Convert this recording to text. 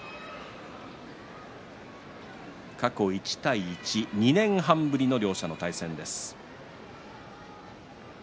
過去１対１２年半ぶりの両者の対戦です。